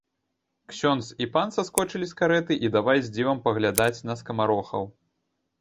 Ксёндз і пан саскочылі з карэты і давай з дзівам паглядаць на скамарохаў.